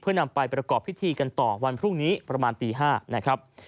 เพื่อนำไปประกอบพิธีกันต่อวันพรุ่งนี้ประมาณตี๕บ